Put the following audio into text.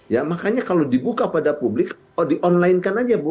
ya makanya kalau dibuka pada publik oh di online kan aja bu